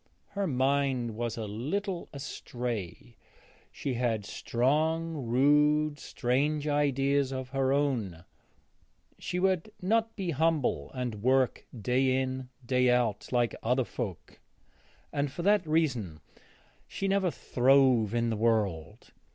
Her mind was a little astray: she had strong, rude, strange ideas of her own; she would not be humble and work day in, day out, like other folk, and for that reason she never throve in the world.